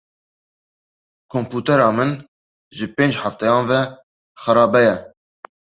Kompûtera min ji pênc hefteyan ve xerabe ye.